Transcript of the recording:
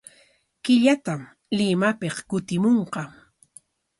Killatam Limapik kutimunqa.